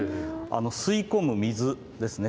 吸い込む水ですね